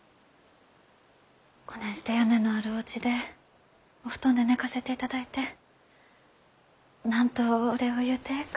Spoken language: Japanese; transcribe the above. こねんして屋根のあるおうちでお布団で寝かせていただいて何とお礼を言うてええか。